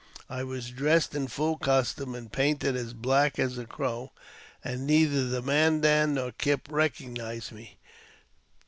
I was dressed in full costume, and painted as black as a Crow, and neither the Mandan nor Kipp recognized me.